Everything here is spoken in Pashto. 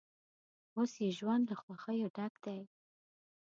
اوس یې ژوند له خوښیو ډک دی.